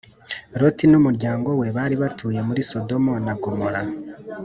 loti n’umuryango we bari batuye muri sodomo na gomoro